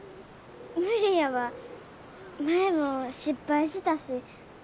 無理やわ前も失敗したし。